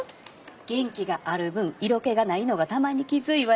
元気がある分色気がないのが玉にきずいわれてます